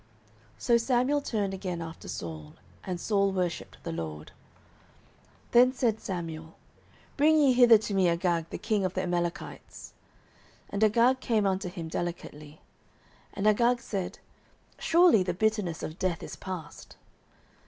09:015:031 So Samuel turned again after Saul; and Saul worshipped the LORD. 09:015:032 Then said Samuel, Bring ye hither to me Agag the king of the Amalekites. And Agag came unto him delicately. And Agag said, Surely the bitterness of death is past.